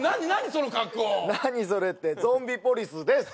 その格好何それってゾンビポリスです